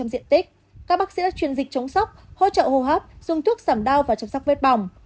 các bác sĩ đã chuyên dịch chống sốc hỗ trợ hô hấp dùng thuốc giảm đau và chăm sóc vết bỏng